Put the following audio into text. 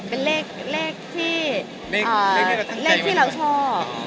เป็นเลขที่เราชอบ